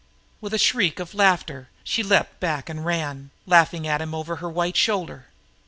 With a shriek of laughter she leaped back and ran, laughing at him over her white shoulder.